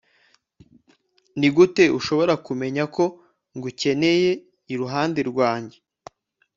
nigute ushobora kumenya ko ngukeneye iruhande rwanjye